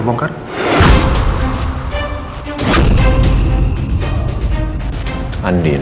kenapa lu disana